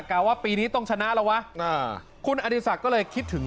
่าว่าปีนี้ต้องชนะแล้ววะคุณอดีศักดิ์ก็เลยคิดถึง